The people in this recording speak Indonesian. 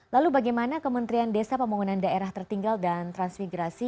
lalu bagaimana kementerian desa pembangunan daerah tertinggal dan transmigrasi